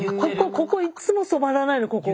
ここいっつも染まらないのここが。